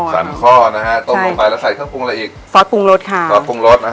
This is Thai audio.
ข้อนะฮะต้มลงไปแล้วใส่เครื่องปรุงอะไรอีกซอสปรุงรสค่ะซอสปรุงรสนะฮะ